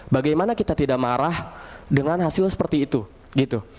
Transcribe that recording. bagaimana kita tidak marah dengan hasil seperti itu gitu